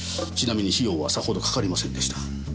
ちなみに費用はさほどかかりませんでした。